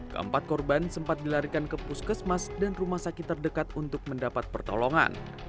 keempat korban sempat dilarikan ke puskesmas dan rumah sakit terdekat untuk mendapat pertolongan